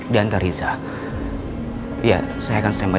ya ya sebaiknya bu andin dan bu rossa pulang ke rumah